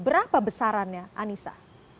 berapa besarannya anissa